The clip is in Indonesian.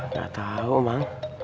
gak tau emang